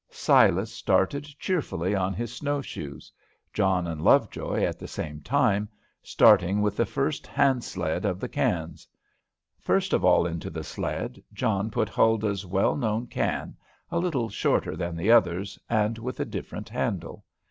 Silas started cheerfully on his snow shoes; John and Lovejoy, at the same time, starting with the first hand sled of the cans. First of all into the sled, John put Huldah's well known can, a little shorter than the others, and with a different handle.